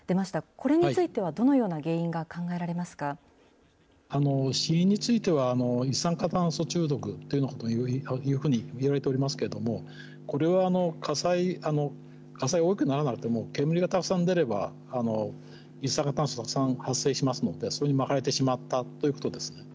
これについてはどのような原因が死因については、一酸化炭素中毒というふうにいわれておりますけれども、これは火災が大きくならなくても、煙が多く出れば、一酸化炭素が発生しますので、それにまかれてしまったということです。